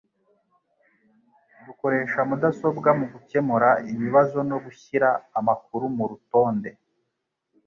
Dukoresha mudasobwa mugukemura ibibazo no gushyira amakuru murutonde.